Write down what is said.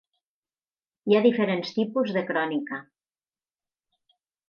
Hi ha diferents tipus de crònica.